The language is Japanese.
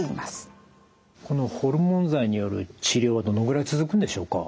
このホルモン剤による治療はどのぐらい続くんでしょうか？